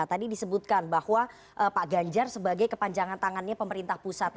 tadi disebutkan bahwa pak ganjar sebagai kepanjangan tangannya pemerintah pusat